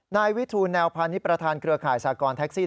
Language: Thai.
นายวิทูณแนวพันธุ์นิปราธานเกรือข่ายสากรทักซี่